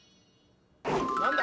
何だ？